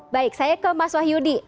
baik saya ke mas wahyudi